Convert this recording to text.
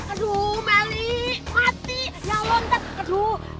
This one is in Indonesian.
aduh melly mati ya allah ntar aduh